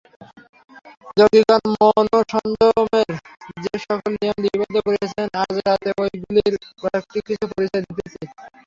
যোগিগণ মনঃসংযমের যে-সকল নিয়ম লিপিবদ্ধ করিয়াছেন, আজ রাত্রে ঐগুলির কয়েকটির কিছু পরিচয় দিতেছি।